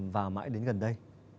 và mãi đến gần đây